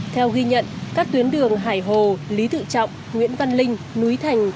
theo ghi nhận các tuyến đường hải hồ lý tự trọng nguyễn văn linh núi thành